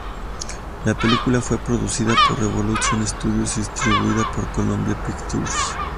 La película fue producida por Revolution Studios y distribuida por Columbia Pictures.